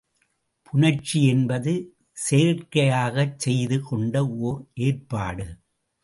புணர்ச்சி என்பது செயற்கையாகச் செய்து கொண்ட ஓர் ஏற்பாடு.